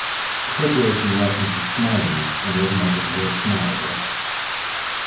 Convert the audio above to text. The Corporation licenses Smileys and organizes World Smile Day.